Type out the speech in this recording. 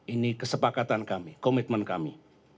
ini kesepakatan kami komitmen kami